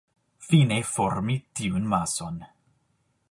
Fine formi tiun mason.